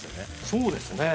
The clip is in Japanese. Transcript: そうですね。